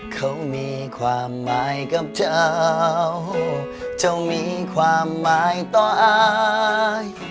เขามีความหมายกับเจ้าจงมีความหมายต่ออาย